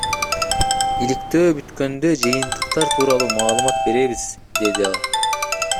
Иликтөө бүткөндө жыйынтыктар тууралуу маалымат беребиз, — деди ал.